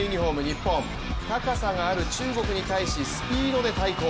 日本高さがある中国に対しスピードで対抗。